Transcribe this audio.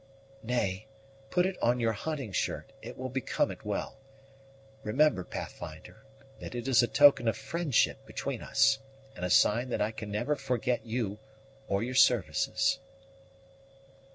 "Nay, put it in your hunting shirt; it will become it well. Remember, Pathfinder, that it is a token of friendship between us, and a sign that I can never forget you or your services."